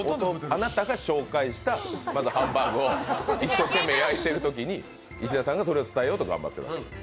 あなたが紹介したハンバーグを一生懸命、焼いてるときに石田さんがそれを伝えようと頑張ってる。